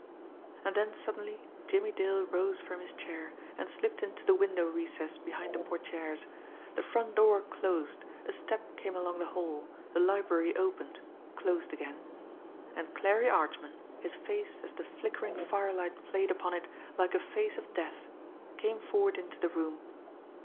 And then suddenly Jimmie Dale rose from his chair, and slipped into the window recess behind the portières. The front door closed, a step came along the hall, the library opened, closed again and Clarie Archman, his face as the flickering firelight played upon it, like a face of death, came forward into the room.